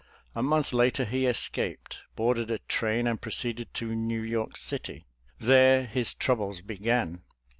A month later he escaped, boarded a train, and proceeded to New York City. There his troubles began.